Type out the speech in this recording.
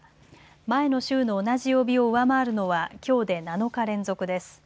前の週の同じ曜日を上回るのはきょうで７日連続です。